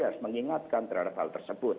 harus mengingatkan terhadap hal tersebut